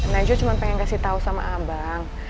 najwa cuma pengen kasih tau sama abang